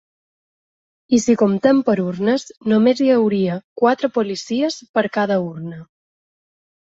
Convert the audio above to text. I si comptem per urnes, només hi hauria quatre policies per cada urna.